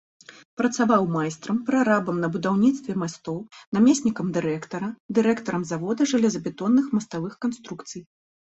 Працаваў майстрам, прарабам на будаўніцтве мастоў, намеснікам дырэктара, дырэктарам завода жалезабетонных маставых канструкцый.